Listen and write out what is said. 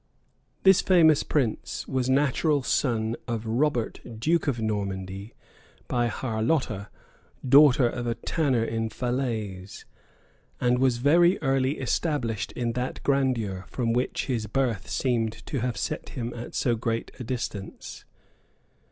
[*][* Irgulph. p. 68] This famous prince was natural son of Robert, duke of Normandy, by Harlotta, daughter of a tanner in Falaise,[] and was very early established in that grandeur, from which his birth seemed to have set him at so great a distance.